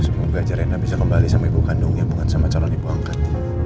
semoga jerenda bisa kembali sama ibu kandungnya bukan sama calon ibu angkat